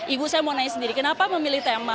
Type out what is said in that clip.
ibu saya mau nanya sendiri kenapa memilih tema